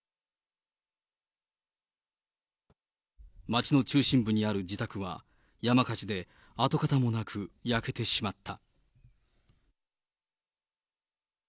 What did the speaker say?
街の中心部にある自宅は、山火事で跡形もなく焼けてしまった。